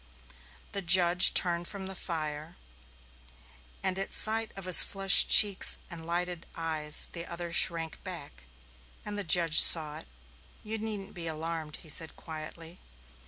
The judge turned from the fire, and at sight of his flushed cheeks and lighted eyes the other shrank back, and the judge saw it. "You needn't be alarmed," he said quietly.